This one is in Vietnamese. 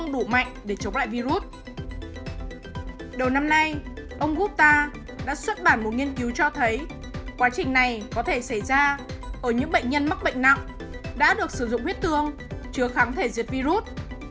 đầu năm nay ông guta đã xuất bản một nghiên cứu cho thấy quá trình này có thể xảy ra ở những bệnh nhân mắc bệnh nặng đã được sử dụng huyết tương chưa kháng thể diệt virus